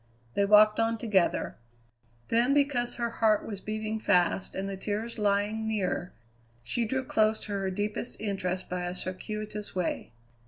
They walked on together. Then, because her heart was beating fast and the tears lying near, she drew close to her deepest interest by a circuitous way.